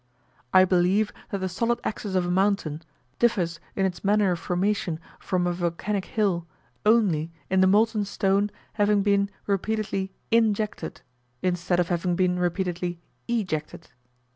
I believe that the solid axis of a mountain, differs in its manner of formation from a volcanic hill, only in the molten stone having been repeatedly injected, instead of having been repeatedly ejected.